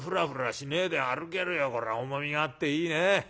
これは重みがあっていいね。